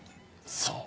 そう。